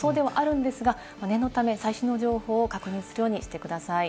台風としてはそれほど発達しない予想ではあるんですが、念のため最新の情報を確認するようにしてください。